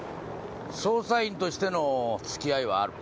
捜査員としての付き合いはある。